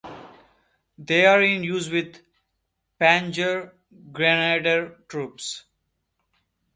They are in use with Panzergrenadier troops.